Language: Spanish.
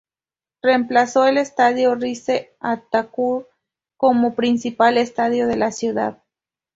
Reemplazó al Estadio Rize Atatürk como principal estadio de la ciudad.